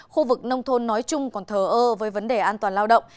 khu vực nông thôn nói chung còn thờ ơ với vấn đề an toàn lao động